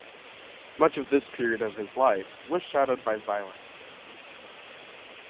Much of this period of his life was shadowed by violence.